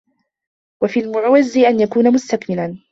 وَفِي الْمُعْوِزِ أَنْ يَكُونَ مُسْتَكْمِلًا